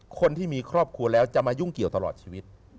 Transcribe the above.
คนที่มีครอบครัวแล้วจะมายุ่งเกี่ยวตลอดชีวิต